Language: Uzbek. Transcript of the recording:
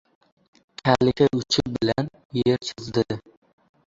Kalishi uchi bilan yer chizdi.